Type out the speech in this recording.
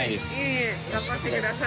い┐い頑張ってください。